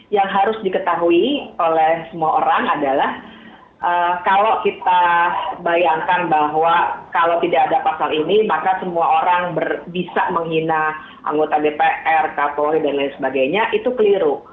yang harus diketahui oleh semua orang adalah kalau kita bayangkan bahwa kalau tidak ada pasal ini maka semua orang bisa menghina anggota dpr kapolri dan lain sebagainya itu keliru